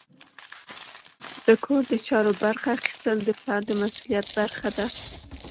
د کور د چارو برخه اخیستل د پلار د مسؤلیت برخه ده.